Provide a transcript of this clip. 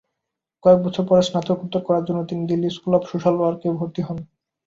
কয়েক বছর পরে, স্নাতকোত্তর করার জন্য তিনি Delhi school of social work এ ভর্তি হন।